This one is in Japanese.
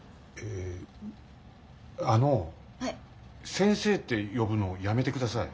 先生って呼ぶのやめてください。